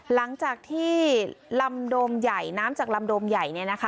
หลังจากที่น้ำจากลำโดมใหญ่